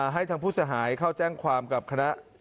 ให้ทางผู้เสียหายเข้าแจ้งความกับคณะ